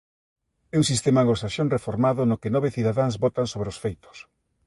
É un sistema anglosaxón reformado no que nove cidadáns votan sobre os feitos.